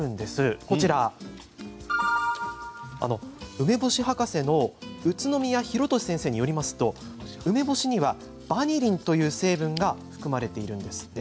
梅干し博士の宇都宮洋才先生によりますと梅干しにはバニリンという成分が含まれているんです。